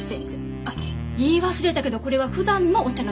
言い忘れたけどこれはふだんのお茶の時ね。